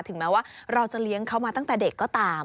แม้ว่าเราจะเลี้ยงเขามาตั้งแต่เด็กก็ตาม